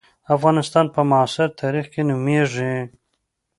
افغانستان په معاصر تاریخ کې نومېږي.